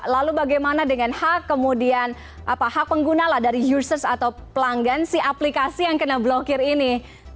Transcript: lalu bagaimana dengan hak kemudian hak pengguna lah dari users atau pelanggan si aplikasi yang kena blokir ini